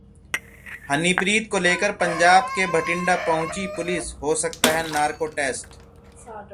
हनीप्रीत को लेकर पंजाब के बठिंडा पहुंची पुलिस, हो सकता है नार्को टेस्ट